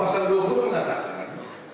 pasal dua puluh mengatakan